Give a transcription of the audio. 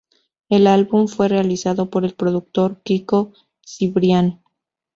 El álbum fue realizado por el productor Kiko Cibrián.